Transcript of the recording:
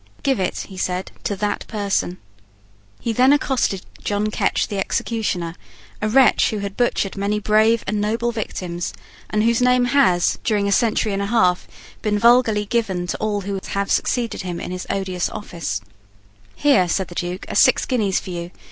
"Give it," he said, "to that person." He then accosted John Ketch the executioner, a wretch who had butchered many brave and noble victims, and whose name has, during a century and a half, been vulgarly given to all who have succeeded him in his odious office. "Here," said the Duke, "are six guineas for you.